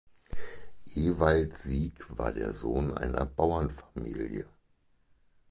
Ewald Sieg war der Sohn einer Bauernfamilie.